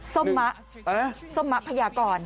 ส้มมะส้มมะพญากร